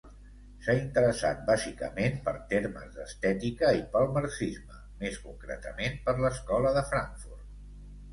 S'ha interessat bàsicament per temes d'estètica i pel marxisme, més concretament per l'Escola de Frankfurt.